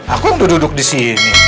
aku kan duduk disini